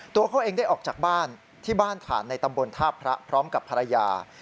ตัวเขาเองได้ออกจากบ้านที่บ้านถ่านในตำบลท่าพระพร้อมกับภรรยา